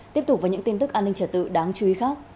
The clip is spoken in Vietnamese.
tiếp tục với những tin tức an ninh trở tự đáng chú ý khác